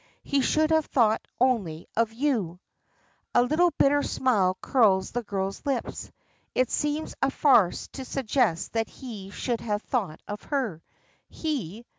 He should have thought only of you." A little bitter smile curls the girl's lips: it seems a farce to suggest that he should have thought of her. He!